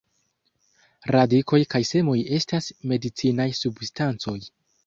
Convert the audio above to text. Radikoj kaj semoj estas medicinaj substancoj.